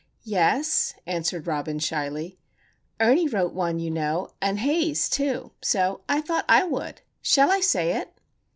"Yes," answered Robin, shyly. "Ernie wrote one, you know, and Haze, too,—so I thought I would. Shall I say it?"